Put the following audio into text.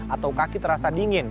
atau kaki terasa dingin